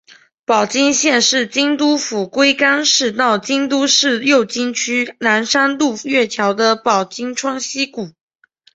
保津峡是京都府龟冈市到京都市右京区岚山渡月桥的保津川溪谷。